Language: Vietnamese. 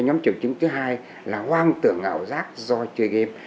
nhóm triệu chứng thứ hai là hoang tưởng ảo giác do chơi game